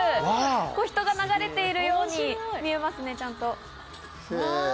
人が流れているように見えますね、ちゃんと。